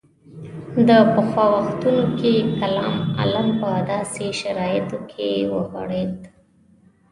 د پخوا وختونو کې کلام علم په داسې شرایطو کې وغوړېد.